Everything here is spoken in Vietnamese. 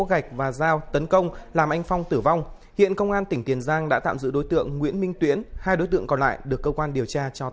các bạn hãy đăng ký kênh để ủng hộ kênh của chúng mình nhé